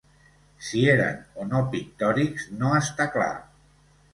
Si eren o no pictòrics no està clar.